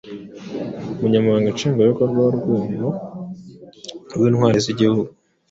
Umunyamabanga nshingwabikorwa w’Urwego rw’Intwari z’igihugu,